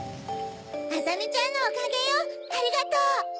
あざみちゃんのおかげよありがとう！